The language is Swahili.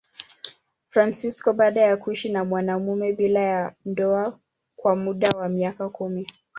Fransisko baada ya kuishi na mwanamume bila ya ndoa kwa muda wa miaka kumi.